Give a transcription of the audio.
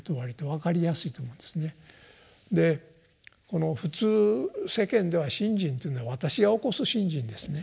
この普通世間では「信心」というのは私が起こす「信心」ですね。